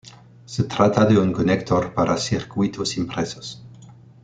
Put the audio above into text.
Se trata de un conector para circuitos impresos.